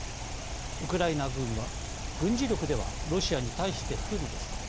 ウクライナ軍は軍事力ではロシアに対して不利です。